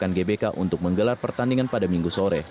dengan gbk untuk menggelar pertandingan pada minggu sore